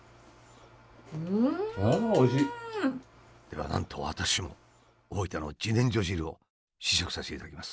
ではなんと私も大分の自然薯汁を試食させていただきます。